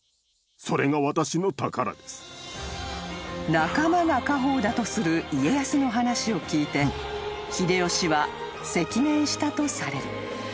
［仲間が家宝だとする家康の話を聞いて秀吉は赤面したとされる］